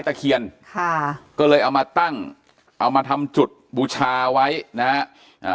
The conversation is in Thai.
ตะเคียนค่ะก็เลยเอามาตั้งเอามาทำจุดบูชาไว้นะฮะอ่า